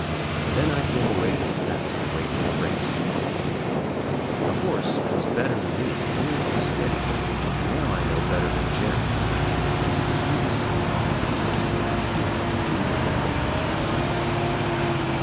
Then I came away to the fence to wait for the race. The horse was better than me, more steadier, and now I know better than Jerry. He was the quietest and he had to do the running.